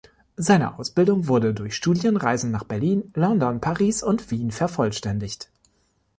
Seine Ausbildung wurde durch Studienreisen nach Berlin, London, Paris und Wien vervollständigt.